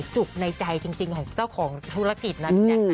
จุบในใจจริงของเจ้าของธุรกิจนะ